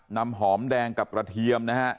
นำหอมแดงกับกระเทียมนะฮะ